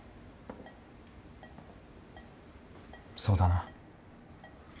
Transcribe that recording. そうだな。